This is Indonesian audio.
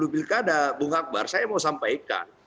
dua ratus tujuh puluh bilkada bung akbar saya mau sampaikan